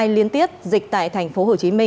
liên tiết dịch tại tp hcm